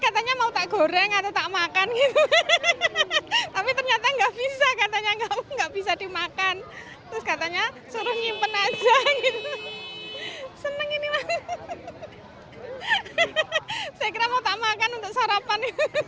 saya kira mau tak makan untuk sarapan